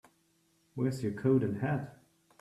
Where's your coat and hat?